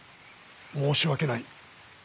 申し訳ない。